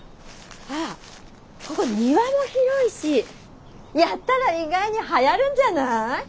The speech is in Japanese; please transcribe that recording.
ここ庭も広いしやったら意外にはやるんじゃない？